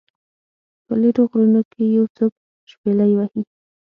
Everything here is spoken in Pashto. په لیرو غرونو کې یو څوک شپیلۍ وهي